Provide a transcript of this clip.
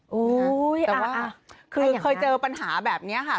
โอ้โฮอ่ะคือเคยเจอปัญหาแบบนี้ค่ะ